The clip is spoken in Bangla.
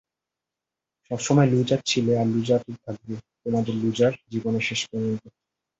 সবসময় লুজার ছিলে, আর লুজারই থাকবে তোমাদের লুজার জীবনের শেষ পর্যন্ত।